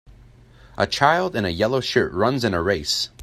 A child in a yellow shirt runs in a race.